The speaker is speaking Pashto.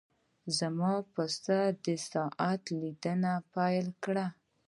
زما پسه د ساعت لیدنه پیل کړه.